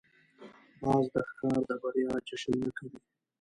باز د ښکار د بریا جشن نه کوي